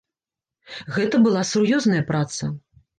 Гэта была сур'ёзная праца.